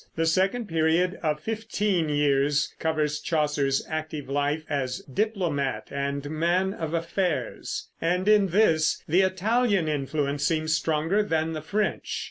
The second period, of fifteen years, covers Chaucer's active life as diplomat and man of affairs; and in this the Italian influence seems stronger than the French.